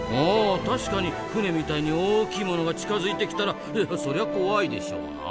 確かに船みたいに大きい物が近づいてきたらそりゃ怖いでしょうな。